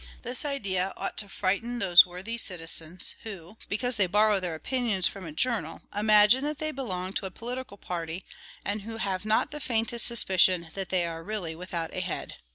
This idea ought to frighten those worthy citizens who, because they borrow their opinions from a journal, imagine that they belong to a political party, and who have not the faintest suspicion that they are really without a head.